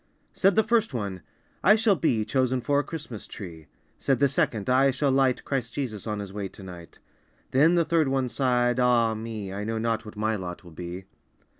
Said the first one, "I shall be Chosen for a Christmas tree!" Said the second, "I shall light Christ Jesus on His way to night!" Then the third one sighed, "Ah me, I know not what my lot will be!"